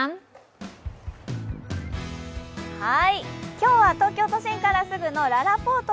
今日は東京都心からすぐのららぽーと